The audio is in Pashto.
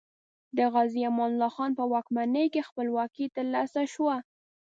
د غازي امان الله خان په واکمنۍ کې خپلواکي تر لاسه شوه.